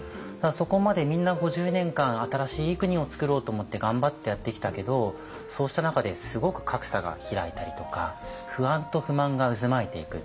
そこまでみんな５０年間新しいいい国をつくろうと思って頑張ってやってきたけどそうした中ですごく格差が開いたりとか不安と不満が渦巻いていく。